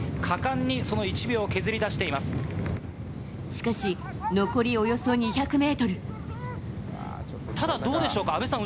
しかし、残りおよそ２００ｍ。